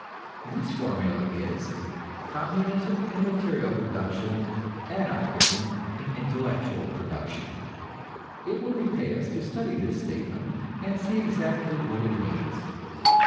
This formula is: "Communism in material production, Anarchism in intellectual production." It will repay us to study this statement, and see exactly what it means.